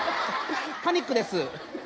パニックです。